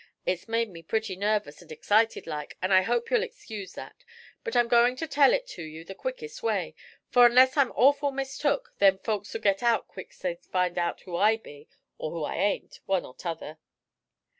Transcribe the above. It's made me pretty nervous and excited like, and I hope you'll excuse that; but I'm going to tell it to you the quickest way, for, 'nless I'm awful mistook, them folks'll git out quick's they find out who I be, or who I ain't, one or t'other.'